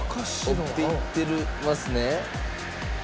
織っていってますね。